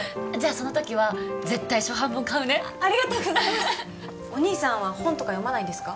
その時は絶対初版本買うねありがとうございますお義兄さんは本とか読まないんですか？